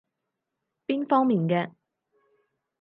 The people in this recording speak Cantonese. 邊方面嘅？